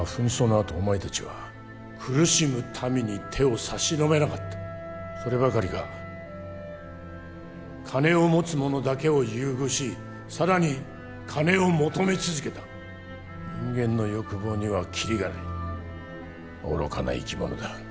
あとお前たちは苦しむ民に手を差し伸べなかったそればかりか金を持つ者だけを優遇しさらに金を求め続けた人間の欲望にはキリがない愚かな生き物だ